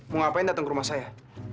mau ngapain datang ke rumah saya